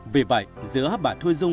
vì vậy giữa bà thu dung